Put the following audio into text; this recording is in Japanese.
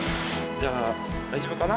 じゃあ、大丈夫かな？